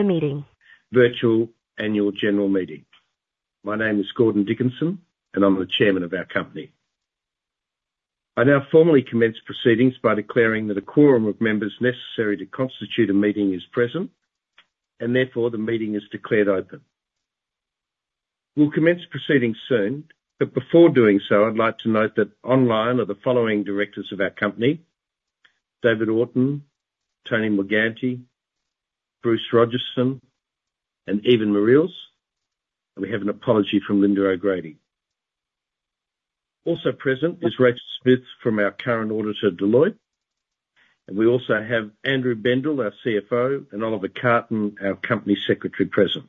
The meeting. Virtual Annual General Meeting. My name is Gordon Dickinson, and I'm the Chairman of our company. I now formally commence proceedings by declaring that a quorum of members necessary to constitute a meeting is present, and therefore the meeting is declared open. We'll commence proceedings soon, but before doing so, I'd like to note that online are the following directors of our company: David Orton, Tony Morganti, Bruce Rodgerson, and Iven Mareels. We have an apology from Lynda O'Grady. Also present is Rachel Smith from our current auditor, Deloitte. We also have Andrew Bendall, our CFO, and Oliver Carton, our company secretary, present.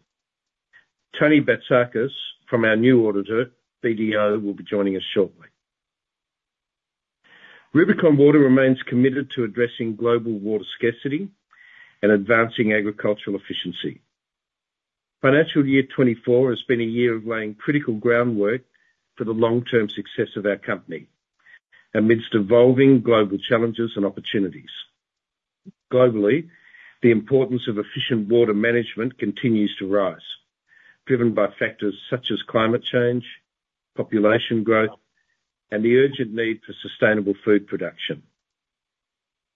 Tony Batsakis from our new auditor, BDO, will be joining us shortly. Rubicon Water remains committed to addressing global water scarcity and advancing agricultural efficiency. Financial Year 24 has been a year of laying critical groundwork for the long-term success of our company amidst evolving global challenges and opportunities. Globally, the importance of efficient water management continues to rise, driven by factors such as climate change, population growth, and the urgent need for sustainable food production.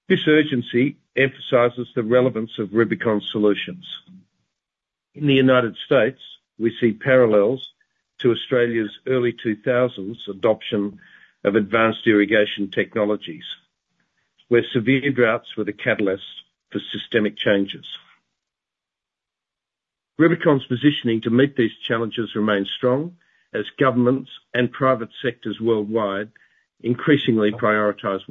This urgency emphasizes the relevance of Rubicon solutions. In the United States, we see parallels to Australia's early 2000s adoption of advanced irrigation technologies, where severe droughts were the catalyst for systemic changes. Rubicon's positioning to meet these challenges remains strong as governments and private sectors worldwide increasingly prioritize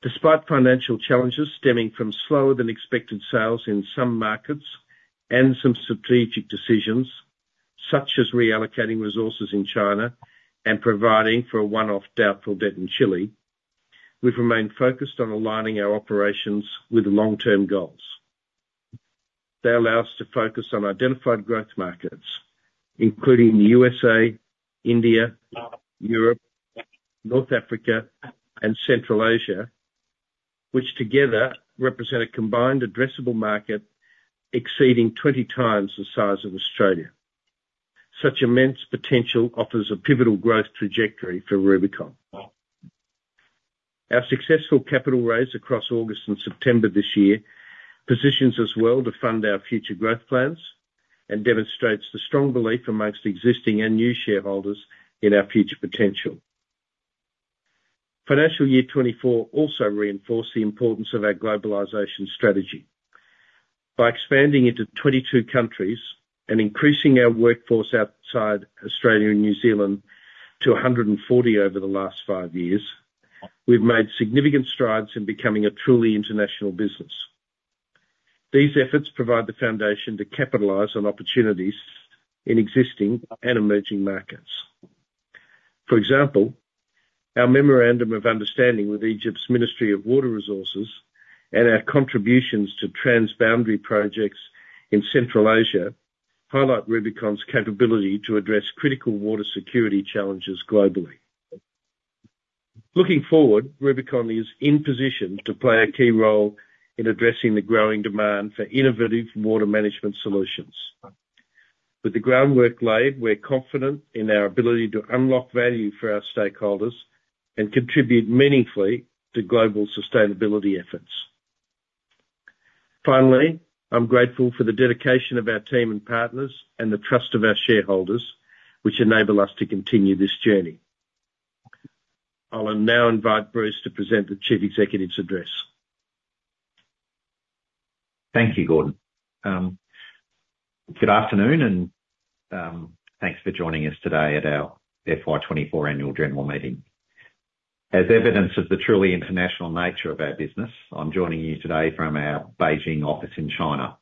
water efficiency. Despite financial challenges stemming from slower-than-expected sales in some markets and some strategic decisions, such as reallocating resources in China and providing for a one-off doubtful debt in Chile, we've remained focused on aligning our operations with long-term goals. They allow us to focus on identified growth markets, including the USA, India, Europe, North Africa, and Central Asia, which together represent a combined addressable market exceeding 20 times the size of Australia. Such immense potential offers a pivotal growth trajectory for Rubicon. Our successful capital raise across August and September this year positions us well to fund our future growth plans and demonstrates the strong belief among existing and new shareholders in our future potential. Financial Year 24 also reinforced the importance of our globalization strategy. By expanding into 22 countries and increasing our workforce outside Australia and New Zealand to 140 over the last five years, we've made significant strides in becoming a truly international business. These efforts provide the foundation to capitalize on opportunities in existing and emerging markets. For example, our memorandum of understanding with Egypt's Ministry of Water Resources and our contributions to transboundary projects in Central Asia highlight Rubicon's capability to address critical water security challenges globally. Looking forward, Rubicon is in position to play a key role in addressing the growing demand for innovative water management solutions. With the groundwork laid, we're confident in our ability to unlock value for our stakeholders and contribute meaningfully to global sustainability efforts. Finally, I'm grateful for the dedication of our team and partners and the trust of our shareholders, which enable us to continue this journey. I'll now invite Bruce to present the Chief Executive's address. Thank you, Gordon. Good afternoon, and thanks for joining us today at our FY24 Annual General Meeting. As evidence of the truly international nature of our business, I'm joining you today from our Beijing office in China,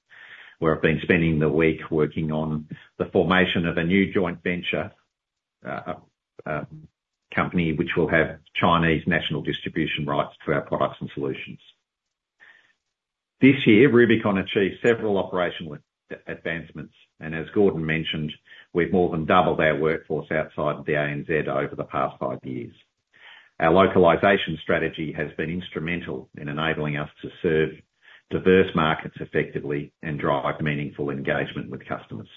where I've been spending the week working on the formation of a new joint venture company, which will have Chinese national distribution rights to our products and solutions. This year, Rubicon achieved several operational advancements, and as Gordon mentioned, we've more than doubled our workforce outside the ANZ over the past five years. Our localization strategy has been instrumental in enabling us to serve diverse markets effectively and drive meaningful engagement with customers.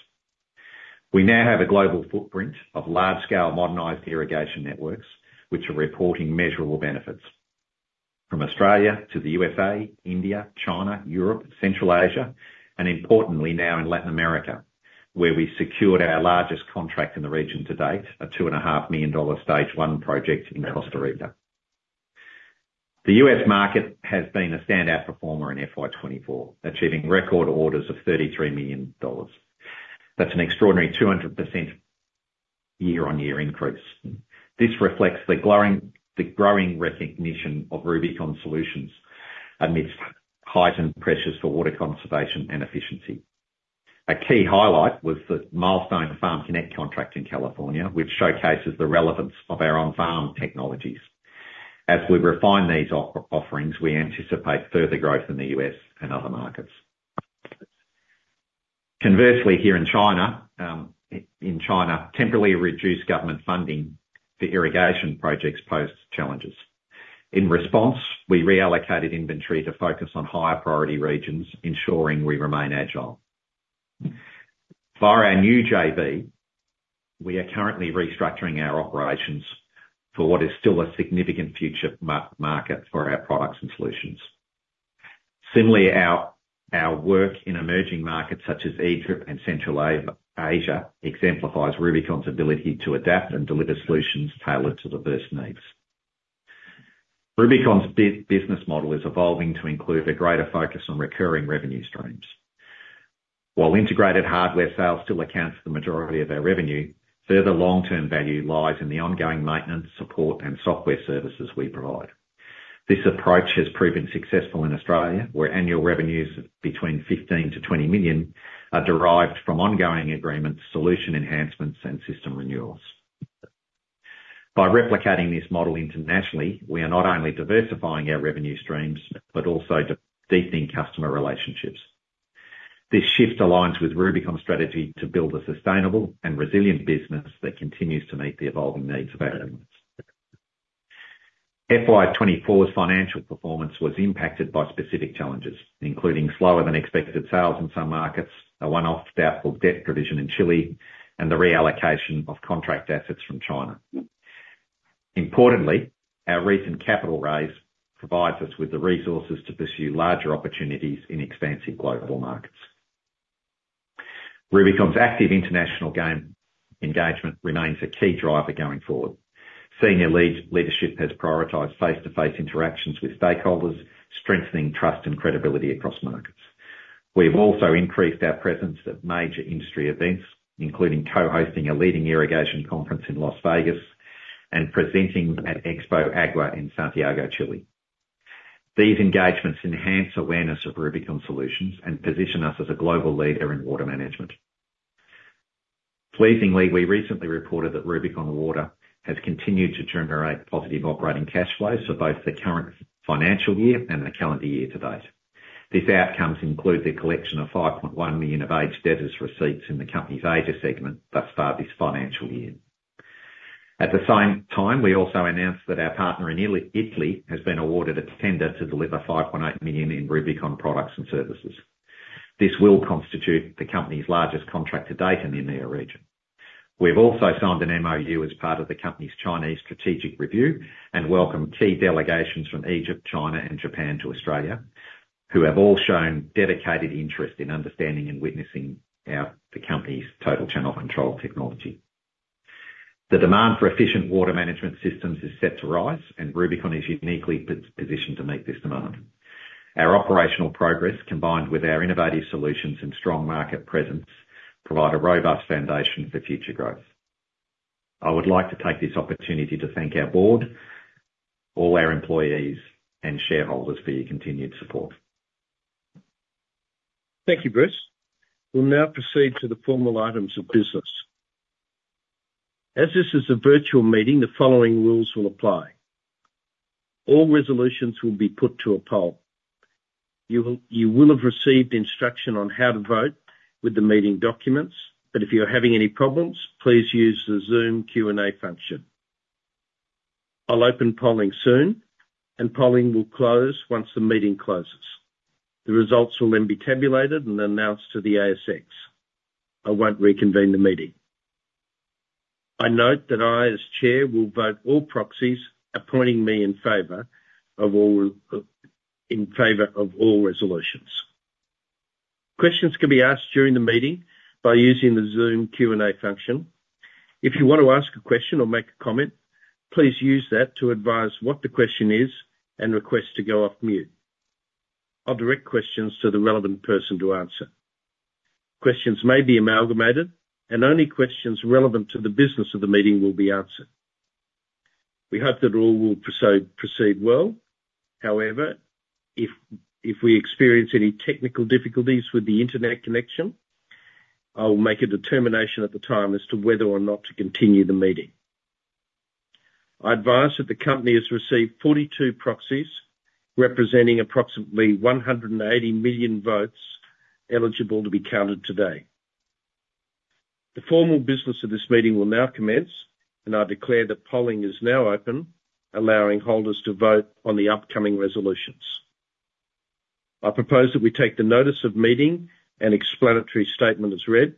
We now have a global footprint of large-scale modernized irrigation networks, which are reporting measurable benefits from Australia to the USA, India, China, Europe, Central Asia, and importantly now in Latin America, where we secured our largest contract in the region to date, a $2.5 million stage one project in Costa Rica. The US market has been a standout performer in FY24, achieving record orders of $33 million. That's an extraordinary 200% year-on-year increase. This reflects the growing recognition of Rubicon solutions amidst heightened pressures for water conservation and efficiency. A key highlight was the milestone FarmConnect contract in California, which showcases the relevance of our on-farm technologies. As we refine these offerings, we anticipate further growth in the US and other markets. Conversely, here in China, temporarily reduced government funding for irrigation projects posed challenges. In response, we reallocated inventory to focus on higher priority regions, ensuring we remain agile. For our new JV, we are currently restructuring our operations for what is still a significant future market for our products and solutions. Similarly, our work in emerging markets such as Egypt and Central Asia exemplifies Rubicon's ability to adapt and deliver solutions tailored to diverse needs. Rubicon's business model is evolving to include a greater focus on recurring revenue streams. While integrated hardware sales still accounts for the majority of our revenue, further long-term value lies in the ongoing maintenance, support, and software services we provide. This approach has proven successful in Australia, where annual revenues between 15-20 million are derived from ongoing agreements, solution enhancements, and system renewals. By replicating this model internationally, we are not only diversifying our revenue streams but also deepening customer relationships. This shift aligns with Rubicon's strategy to build a sustainable and resilient business that continues to meet the evolving needs of our clients. FY24's financial performance was impacted by specific challenges, including slower-than-expected sales in some markets, a one-off doubtful debt provision in Chile, and the reallocation of contract assets from China. Importantly, our recent capital raise provides us with the resources to pursue larger opportunities in expansive global markets. Rubicon's active international engagement remains a key driver going forward. Senior leadership has prioritized face-to-face interactions with stakeholders, strengthening trust and credibility across markets. We have also increased our presence at major industry events, including co-hosting a leading irrigation conference in Las Vegas and presenting at Expo Agua in Santiago, Chile. These engagements enhance awareness of Rubicon solutions and position us as a global leader in water management. Pleasingly, we recently reported that Rubicon Water has continued to generate positive operating cash flows for both the current financial year and the calendar year to date. These outcomes include the collection of $5.1 million of aged debtors' receipts in the company's aged segment that start this financial year. At the same time, we also announced that our partner in Italy has been awarded a tender to deliver $5.8 million in Rubicon products and services. This will constitute the company's largest contract to date in the EMEA region. We've also signed an MoU as part of the company's Chinese strategic review and welcomed key delegations from Egypt, China, and Japan to Australia, who have all shown dedicated interest in understanding and witnessing the company's Total Channel Control technology. The demand for efficient water management systems is set to rise, and Rubicon is uniquely positioned to meet this demand. Our operational progress, combined with our innovative solutions and strong market presence, provide a robust foundation for future growth. I would like to take this opportunity to thank our board, all our employees, and shareholders for your continued support. Thank you, Bruce. We'll now proceed to the formal items of business. As this is a virtual meeting, the following rules will apply. All resolutions will be put to a poll. You will have received instruction on how to vote with the meeting documents, but if you're having any problems, please use the Zoom Q&A function. I'll open polling soon, and polling will close once the meeting closes. The results will then be tabulated and announced to the ASX. I won't reconvene the meeting. I note that I, as Chair, will vote all proxies, appointing me in favor of all resolutions. Questions can be asked during the meeting by using the Zoom Q&A function. If you want to ask a question or make a comment, please use that to advise what the question is and request to go off mute. I'll direct questions to the relevant person to answer. Questions may be amalgamated, and only questions relevant to the business of the meeting will be answered. We hope that all will proceed well. However, if we experience any technical difficulties with the internet connection, I will make a determination at the time as to whether or not to continue the meeting. I advise that the company has received 42 proxies, representing approximately 180 million votes eligible to be counted today. The formal business of this meeting will now commence, and I declare that polling is now open, allowing holders to vote on the upcoming resolutions. I propose that we take the notice of meeting and explanatory statement as read.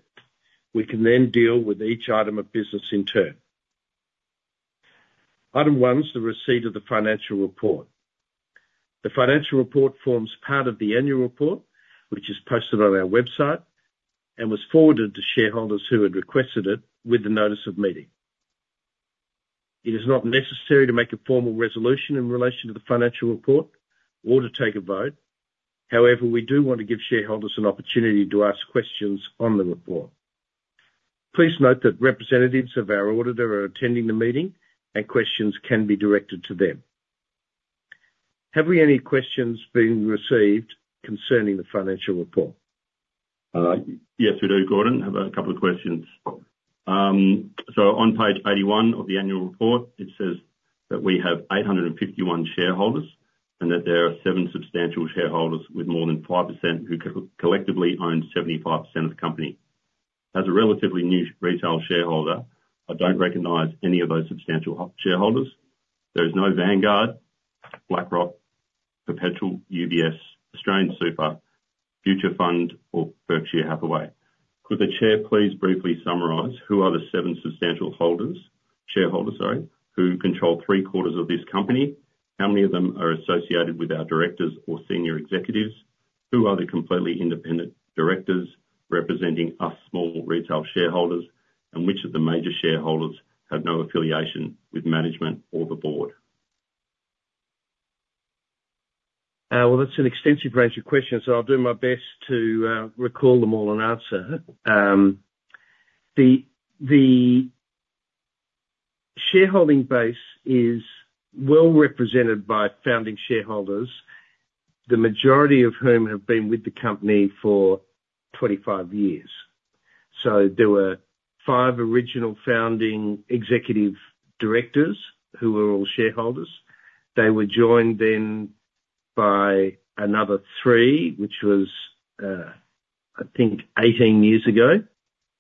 We can then deal with each item of business in turn. Item one is the receipt of the financial report. The financial report forms part of the annual report, which is posted on our website and was forwarded to shareholders who had requested it with the notice of meeting. It is not necessary to make a formal resolution in relation to the financial report or to take a vote. However, we do want to give shareholders an opportunity to ask questions on the report. Please note that representatives of our auditor are attending the meeting, and questions can be directed to them. Have we any questions been received concerning the financial report? Yes, we do, Gordon. I have a couple of questions. So on page 81 of the annual report, it says that we have 851 shareholders and that there are seven substantial shareholders with more than 5% who collectively own 75% of the company. As a relatively new retail shareholder, I don't recognize any of those substantial shareholders. There is no Vanguard, BlackRock, Perpetual, UBS, Australian Super, Future Fund, or Berkshire Hathaway. Could the Chair please briefly summarize who are the seven substantial shareholders who control three-quarters of this company? How many of them are associated with our directors or senior executives? Who are the completely independent directors representing us small retail shareholders? And which of the major shareholders have no affiliation with management or the board? That's an extensive range of questions, so I'll do my best to recall them all and answer. The shareholding base is well represented by founding shareholders, the majority of whom have been with the company for 25 years. There were five original founding executive directors who were all shareholders. They were joined then by another three, which was, I think, 18 years ago,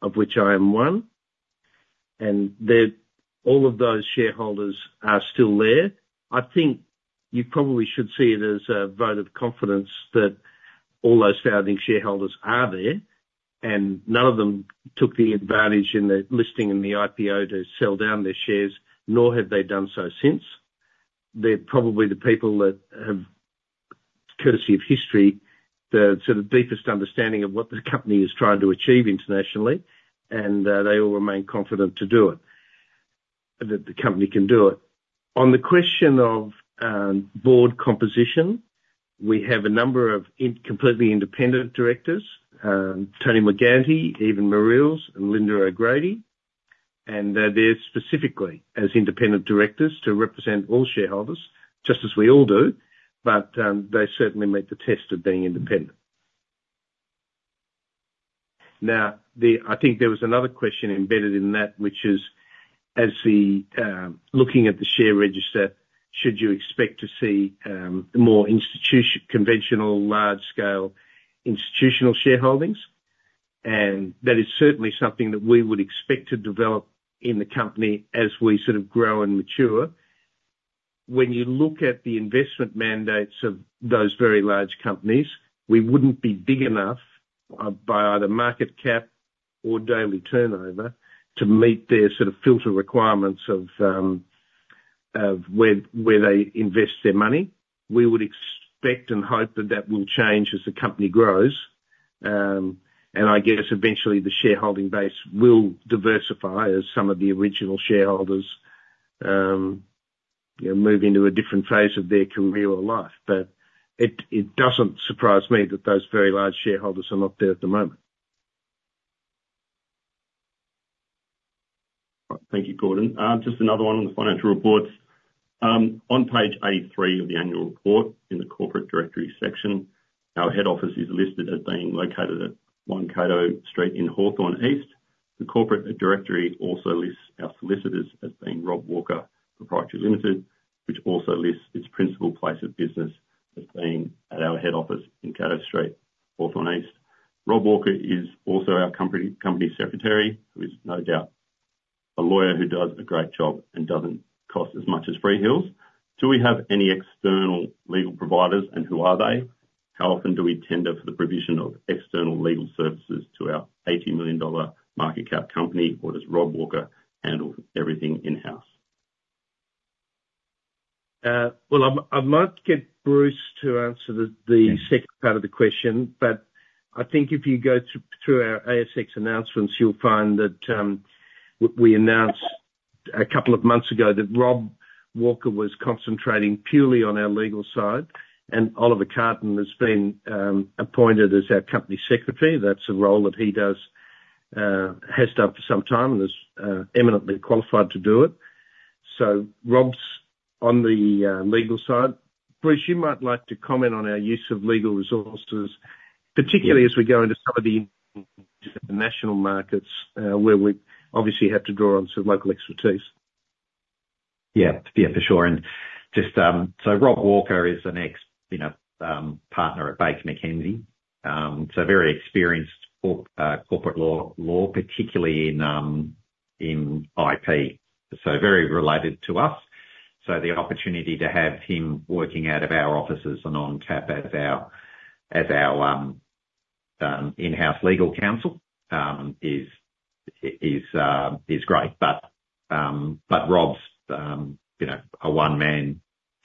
of which I am one. All of those shareholders are still there. I think you probably should see it as a vote of confidence that all those founding shareholders are there, and none of them took the advantage in the listing in the IPO to sell down their shares, nor have they done so since. They're probably the people that have, courtesy of history, the sort of deepest understanding of what the company is trying to achieve internationally, and they all remain confident to do it, that the company can do it. On the question of board composition, we have a number of completely independent directors: Tony Morganti, Iven Mareels, and Lynda O'Grady, and they're there specifically as independent directors to represent all shareholders, just as we all do, but they certainly meet the test of being independent. Now, I think there was another question embedded in that, which is, looking at the share register, should you expect to see more conventional, large-scale institutional shareholdings, and that is certainly something that we would expect to develop in the company as we sort of grow and mature. When you look at the investment mandates of those very large companies, we wouldn't be big enough by either market cap or daily turnover to meet their sort of filter requirements of where they invest their money. We would expect and hope that that will change as the company grows. And I guess eventually the shareholding base will diversify as some of the original shareholders move into a different phase of their career or life. But it doesn't surprise me that those very large shareholders are not there at the moment. Thank you, Gordon. Just another one on the financial reports. On page 83 of the annual report, in the corporate directory section, our head office is listed as being located at Cato Street in Hawthorn East. The corporate directory also lists our solicitors as being Rob Walker Pty Ltd, which also lists its principal place of business as being at our head office in Cato Street, Hawthorn East. Rob Walker is also our company secretary, who is no doubt a lawyer who does a great job and doesn't cost as much as Freehills. Do we have any external legal providers, and who are they? How often do we tender for the provision of external legal services to our 80 million dollar market cap company? Or does Rob Walker handle everything in-house? I might get Bruce to answer the second part of the question, but I think if you go through our ASX announcements, you'll find that we announced a couple of months ago that Rob Walker was concentrating purely on our legal side, and Oliver Carton has been appointed as our company secretary. That's a role that he has done for some time and is eminently qualified to do it. So Rob's on the legal side. Bruce, you might like to comment on our use of legal resources, particularly as we go into some of the international markets where we obviously have to draw on some local expertise. Yeah, for sure. So Rob Walker is an ex-partner at Baker McKenzie, so very experienced corporate law, particularly in IP, so very related to us. So the opportunity to have him working out of our offices and on tap as our in-house legal counsel is great. But Rob's a one-man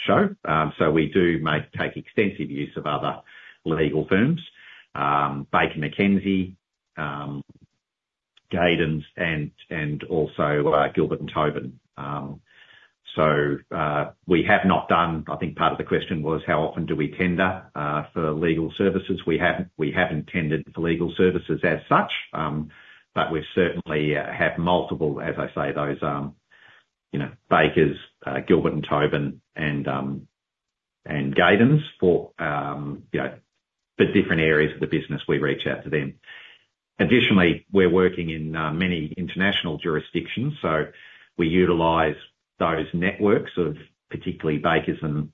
show, so we do take extensive use of other legal firms: Baker McKenzie, Gadens, and also Gilbert & Tobin. So we have not done. I think part of the question was, how often do we tender for legal services? We haven't tendered for legal services as such, but we certainly have multiple, as I say, those Bakers, Gilbert & Tobin, and Gadens for the different areas of the business we reach out to them. Additionally, we're working in many international jurisdictions, so we utilize those networks of particularly Baker's and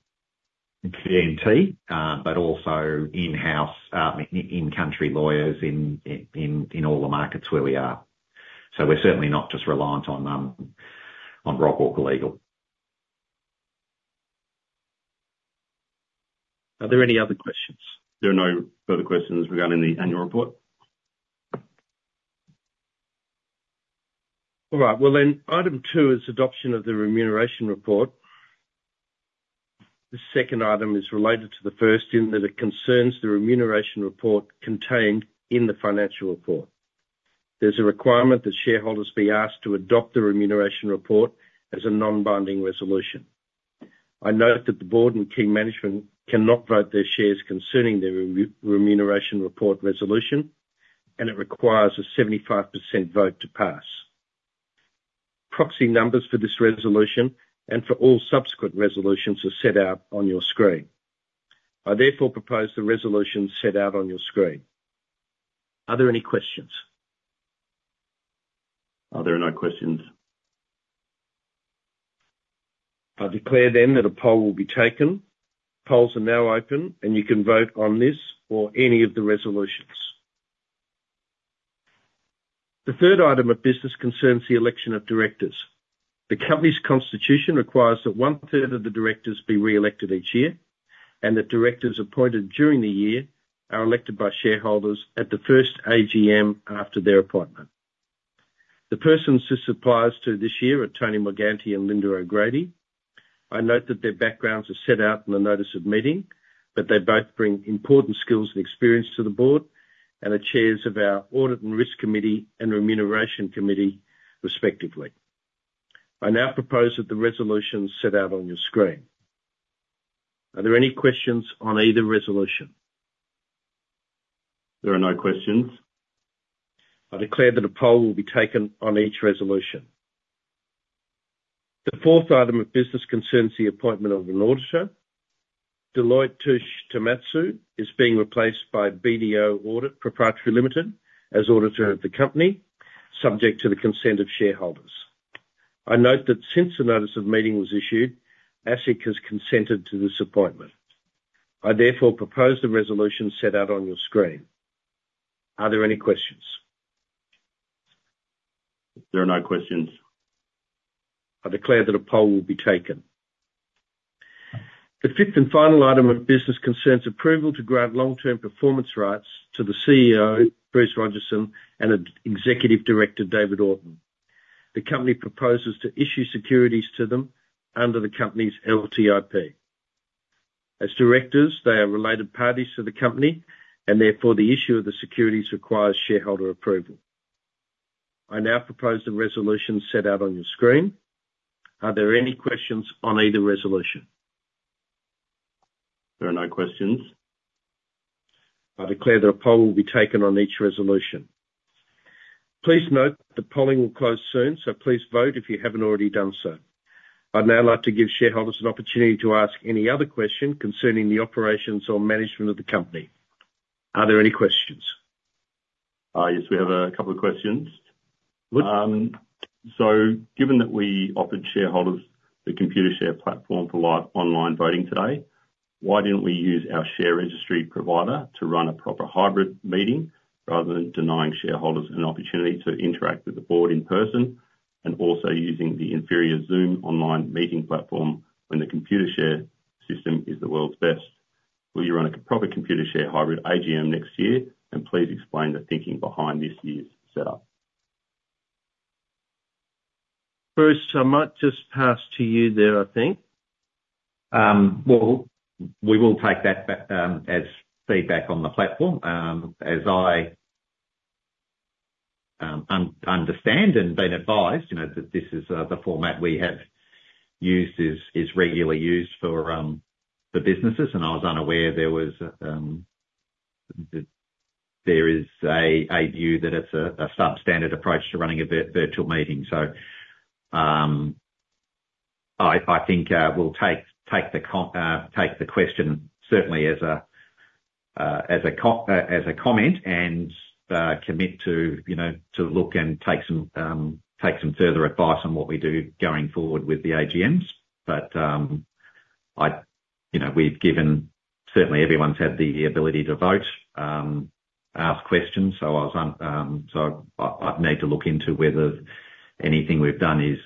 G&T, but also in-country lawyers in all the markets where we are. So we're certainly not just reliant on Rob Walker Legal. Are there any other questions? There are no further questions regarding the Annual Report. All right. Well, then item two is adoption of the remuneration report. The second item is related to the first in that it concerns the remuneration report contained in the financial report. There's a requirement that shareholders be asked to adopt the remuneration report as a non-binding resolution. I note that the board and key management cannot vote their shares concerning the remuneration report resolution, and it requires a 75% vote to pass. Proxy numbers for this resolution and for all subsequent resolutions are set out on your screen. I therefore propose the resolution set out on your screen. Are there any questions? There are no questions. I declare then that a poll will be taken. Polls are now open, and you can vote on this or any of the resolutions. The third item of business concerns the election of directors. The company's constitution requires that one-third of the directors be re-elected each year, and the directors appointed during the year are elected by shareholders at the first AGM after their appointment. The persons this applies to this year are Tony Morganti and Lynda O'Grady. I note that their backgrounds are set out in the notice of meeting, but they both bring important skills and experience to the board and are chairs of our audit and risk committee and remuneration committee, respectively. I now propose that the resolutions set out on your screen. Are there any questions on either resolution? There are no questions. I declare that a poll will be taken on each resolution. The fourth item of business concerns the appointment of an auditor. Deloitte Touche Tohmatsu is being replaced by BDO Audit Pty Ltd as auditor of the company, subject to the consent of shareholders. I note that since the notice of meeting was issued, ASIC has consented to this appointment. I therefore propose the resolution set out on your screen. Are there any questions? There are no questions. I declare that a poll will be taken. The fifth and final item of business concerns approval to grant long-term performance rights to the CEO, Bruce Rodgerson, and Executive Director, David Orton. The company proposes to issue securities to them under the company's LTIP. As directors, they are related parties to the company, and therefore the issue of the securities requires shareholder approval. I now propose the resolution set out on your screen. Are there any questions on either resolution? There are no questions. I declare that a poll will be taken on each resolution. Please note that the polling will close soon, so please vote if you haven't already done so. I'd now like to give shareholders an opportunity to ask any other question concerning the operations or management of the company. Are there any questions? Yes, we have a couple of questions. So given that we offered shareholders the Computershare platform for live online voting today, why didn't we use our share registry provider to run a proper hybrid meeting rather than denying shareholders an opportunity to interact with the board in person and also using the inferior Zoom online meeting platform when the Computershare system is the world's best? Will you run a proper Computershare hybrid AGM next year, and please explain the thinking behind this year's setup? Bruce, I might just pass to you there, I think. We will take that as feedback on the platform. As I understand and been advised, this is the format we have used is regularly used for the businesses, and I was unaware there is a view that it's a substandard approach to running a virtual meeting. I think we'll take the question certainly as a comment and commit to look and take some further advice on what we do going forward with the AGMs. We've given certainly everyone's had the ability to vote, ask questions, so I'd need to look into whether anything we've done is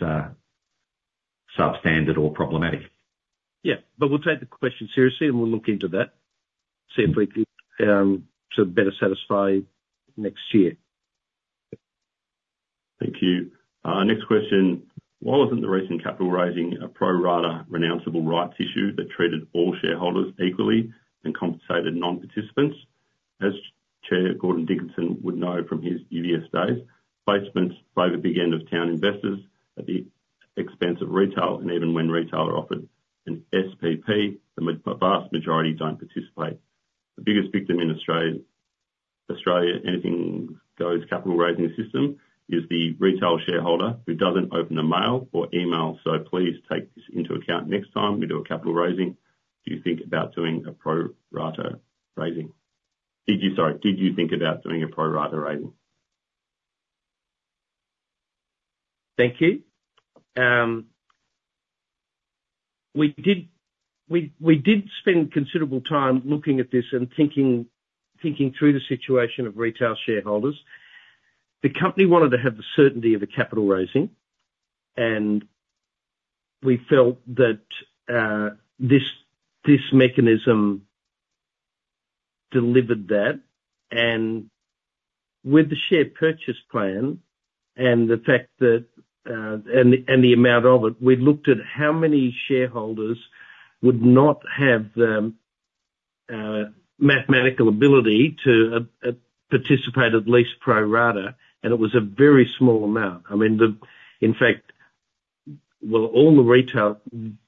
substandard or problematic. Yeah, but we'll take the question seriously, and we'll look into that, see if we can sort of better satisfy next year. Thank you. Next question. Why wasn't the recent capital raising a pro-rata renounceable rights issue that treated all shareholders equally and compensated non-participants? As Chair Gordon Dickinson would know from his UBS days, placements favor big end of town investors at the expense of retail, and even when retail are offered in SPP, the vast majority don't participate. The biggest victim in Australia, anything goes capital raising system, is the retail shareholder who doesn't open a mail or email. So please take this into account next time we do a capital raising. Do you think about doing a pro-rata raising? Sorry, did you think about doing a pro-rata raising? Thank you. We did spend considerable time looking at this and thinking through the situation of retail shareholders. The company wanted to have the certainty of a capital raising, and we felt that this mechanism delivered that. And with the share purchase plan and the fact that and the amount of it, we looked at how many shareholders would not have the mathematical ability to participate at least pro rata, and it was a very small amount. I mean, in fact, well,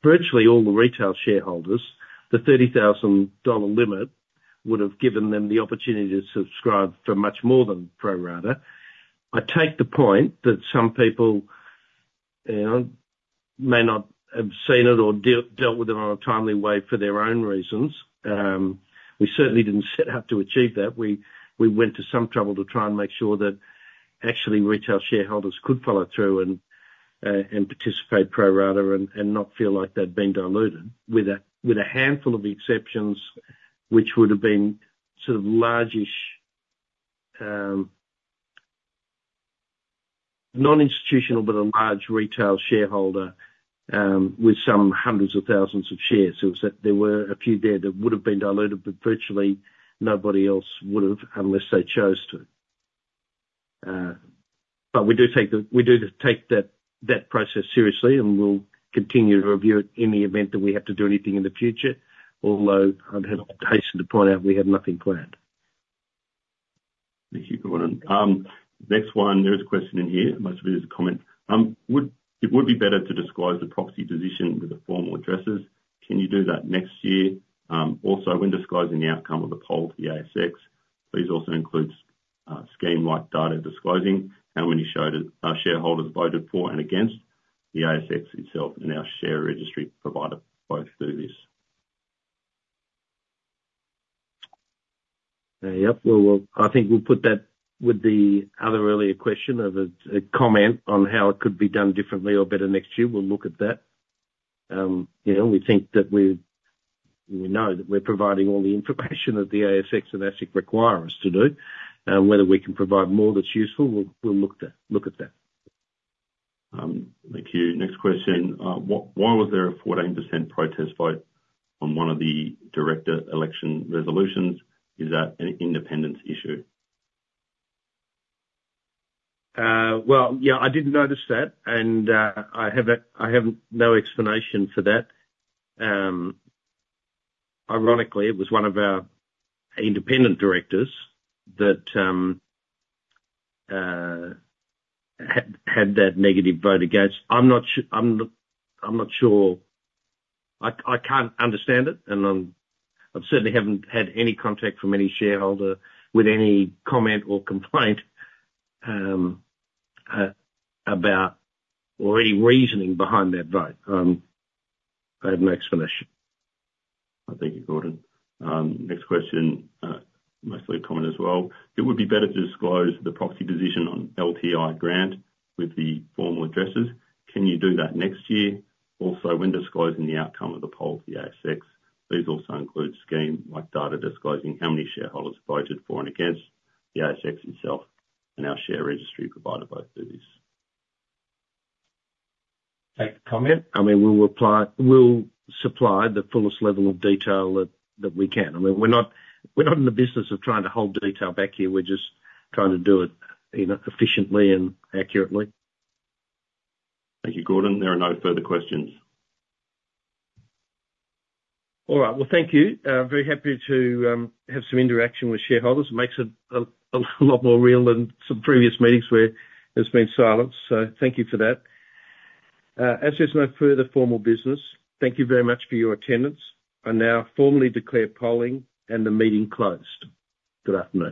virtually all the retail shareholders, the $30,000 limit would have given them the opportunity to subscribe for much more than pro rata. I take the point that some people may not have seen it or dealt with it in a timely way for their own reasons. We certainly didn't set out to achieve that. We went to some trouble to try and make sure that actually retail shareholders could follow through and participate pro rata and not feel like they'd been diluted, with a handful of exceptions which would have been sort of large-ish, non-institutional, but a large retail shareholder with some hundreds of thousands of shares. There were a few there that would have been diluted, but virtually nobody else would have unless they chose to. But we do take that process seriously, and we'll continue to review it in the event that we have to do anything in the future, although I'd hasten to point out we have nothing planned. Thank you, Gordon. Next one, there is a question in here. Most of it is a comment. It would be better to disclose the proxy position with the formal addresses. Can you do that next year? Also, when disclosing the outcome of the poll for the ASX, please also include scheme-like data disclosing how many shareholders voted for and against. The ASX itself, and our share registry provider both do this. Yep, well, I think we'll put that with the other earlier question of a comment on how it could be done differently or better next year. We'll look at that. We think that we know that we're providing all the information that the ASX and ASIC require us to do. Whether we can provide more that's useful, we'll look at that. Thank you. Next question. Why was there a 14% protest vote on one of the director election resolutions? Is that an independence issue? Yeah, I didn't notice that, and I have no explanation for that. Ironically, it was one of our independent directors that had that negative vote against. I'm not sure. I can't understand it, and I certainly haven't had any contact from any shareholder with any comment or complaint about or any reasoning behind that vote. I have no explanation. I thank you, Gordon. Next question. Mostly a comment as well. It would be better to disclose the proxy position on LTI grant with the formal addresses. Can you do that next year? Also, when disclosing the outcome of the poll for the ASX, please also include scheme-like data disclosing how many shareholders voted for and against the ASX itself, and our share registry provider both do this. Take a comment. I mean, we'll supply the fullest level of detail that we can. I mean, we're not in the business of trying to hold detail back here. We're just trying to do it efficiently and accurately. Thank you, Gordon. There are no further questions. All right. Well, thank you. Very happy to have some interaction with shareholders. It makes it a lot more real than some previous meetings where there's been silence. So thank you for that. As there's no further formal business, thank you very much for your attendance. I now formally declare polling and the meeting closed. Good afternoon.